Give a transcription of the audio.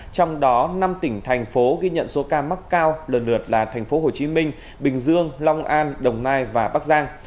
trong đó năm tỉnh thành phố ghi nhận số ca mắc cao lần lượt là thành phố hồ chí minh bình dương long an đồng nai và bắc giang